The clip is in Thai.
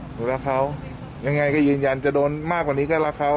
หนูรักเขายังไงก็ยืนยันจะโดนมากกว่านี้ก็รักเขา